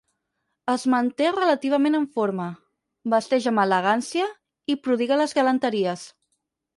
Es manté relativament en forma, vesteix amb elegància i prodiga les galanteries.